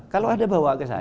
kalau ada bawa ke sana